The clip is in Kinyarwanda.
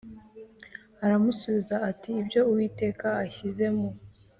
Aramusubiza ati ibyo uwiteka ashyize mu